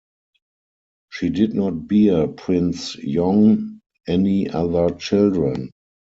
She did not bear Prince Yong any other children.